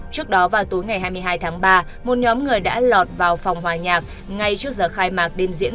trước đó vào tối ngày hai mươi hai tháng ba một nhóm người đã lọt vào phòng hòa nhạc ngay trước giờ khai mạc đêm diễn